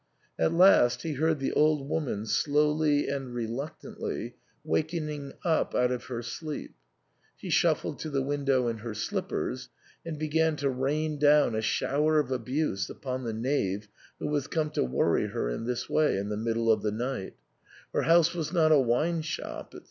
At last he heard the old woman slowly and reluctantly wakening up out of her sleep. She shuffled to the window in her slippers, and began to rain down a shower of abuse upon the knave who was come to worry her in this way in the middle of the night ; her house was not a wine shop, &c.